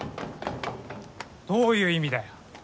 どういう意味だよ。